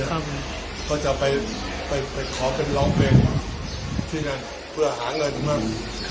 เขาก็จะไปขอเป็นร้องเพลงที่นั่นเพื่อหาเงินของมัน